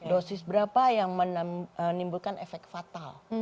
dosis berapa yang menimbulkan efek fatal